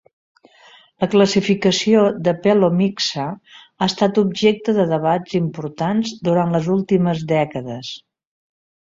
La classificació de "pelomyxa" ha estat objecte de debats importants durant les últimes dècades.